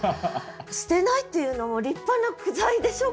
捨てないっていうのも立派な句材でしょ？